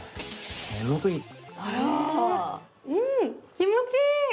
気持ちいい。